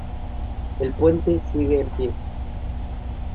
El puente sigue en pie.